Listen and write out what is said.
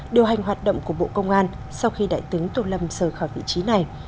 điều hành hoạt động của bộ công an sau khi đại tướng tô lâm rời khỏi vị trí này